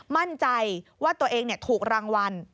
มั่นใจว่าตัวเองถูกรางวัล